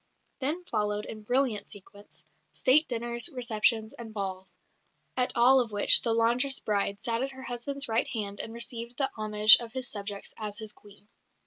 Then followed, in brilliant sequence, State dinners, receptions, and balls, at all of which the laundress bride sat at her husband's right hand and received the homage of his subjects as his Queen.